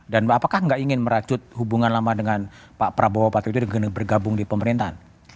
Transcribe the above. dan apakah gak ingin merajut hubungan lama dengan pak prabowo patri itu bergabung di pemerintahan